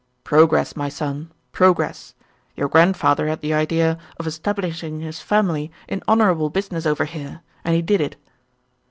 "Progress, my son, progress. Your grandfather had the idea of establishing his family in honorable business over here, and he did it."